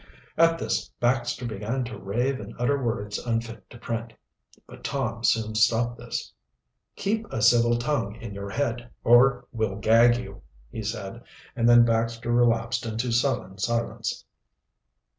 At this Baxter began to rave and utter words unfit to print. But Tom soon stopped this. "Keep a civil tongue in your head, or we'll gag you," he said, and then Baxter relapsed into sullen silence.